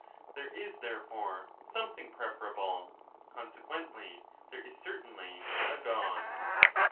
There is, therefore, something preferable ; consequently, there is certainly a God."